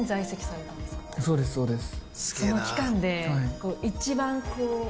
そうですそうです。